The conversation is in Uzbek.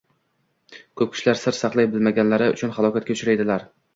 Ko‘p kishilar sir saqlay bilmaganlari uchun halokatga uchraydilar.